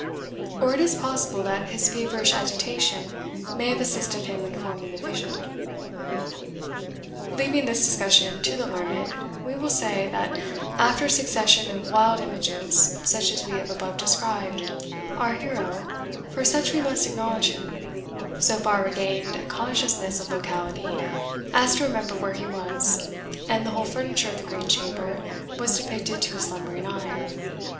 Or it is possible that his feverish agitation may have assisted him in forming the vision. Leaving this discussion to the learned, we will say, that after a succession of wild images, such as we have above described, our hero, for such we must acknowledge him, so far regained a consciousness of locality as to remember where he was, and the whole furniture of the Green Chamber was depicted to his slumbering eye.